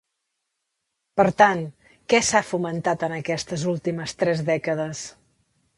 Per tant, què s'ha fomentat en aquestes últimes tres dècades?